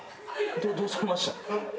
どうされました？